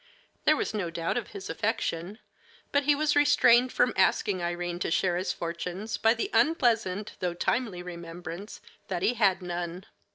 There was no doubt of his affection, but he was restrained from asking Irene to share his fortunes by the unpleasant though timely remembrance that he had none.